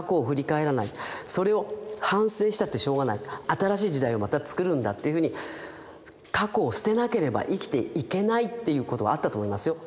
新しい時代をまたつくるんだっていうふうに過去を捨てなければ生きていけないっていうことはあったと思いますよ。